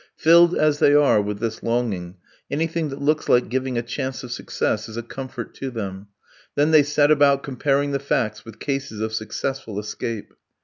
Filled as they are with this longing, anything that looks like giving a chance of success is a comfort to them; then they set about comparing the facts with cases of successful escape.